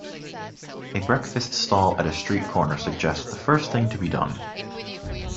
A breakfast-stall at a street-corner suggests the first thing to be done.